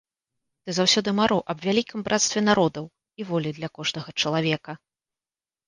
Ты заўсёды марыў аб вялікім брацтве народаў і волі для кожнага чалавека.